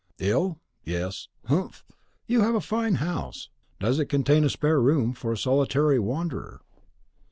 "Ill, yes. Humph! you have a fine house. Does it contain a spare room for a solitary wanderer?"